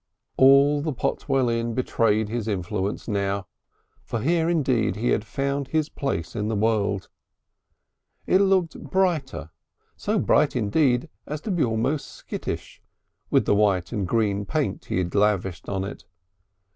All the Potwell Inn betrayed his influence now, for here indeed he had found his place in the world. It looked brighter, so bright indeed as to be almost skittish, with the white and green paint he had lavished upon it.